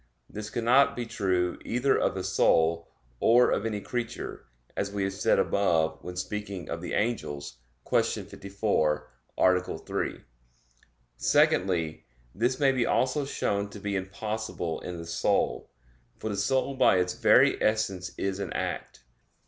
This cannot be true either of the soul, or of any creature; as we have said above when speaking of the angels (Q. 54, A. 3). Secondly, this may be also shown to be impossible in the soul. For the soul by its very essence is an act.